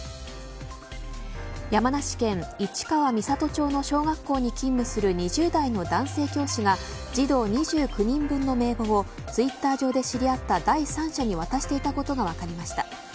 山梨県市川三郷町の小学校に勤務する２０代の男性教師が児童２９人分の名簿をツイッター上で知り合った第三者に渡していたことが分かりました。